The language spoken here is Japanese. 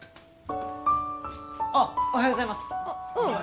あっおはようございますあっうん